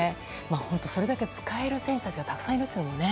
本当に、それだけ使える選手がたくさんいるというね。